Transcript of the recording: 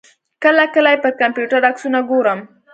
کله کله یې پر کمپیوټر عکسونه ګورم.